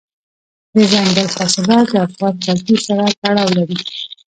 دځنګل حاصلات د افغان کلتور سره تړاو لري.